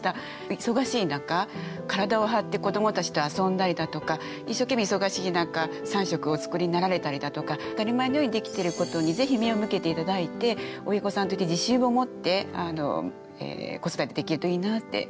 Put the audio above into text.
忙しい中体を張って子どもたちと遊んだりだとか一生懸命忙しい中３食お作りになられたりだとか当たり前のようにできてることにぜひ目を向けて頂いて親御さんとして自信を持って子育てできるといいなって思いました。